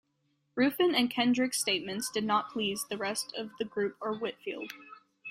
Ruffin and Kendricks' statements did not please the rest of the group or Whitfield.